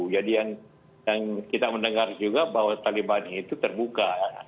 jadi yang kita mendengar juga bahwa taliban itu terbuka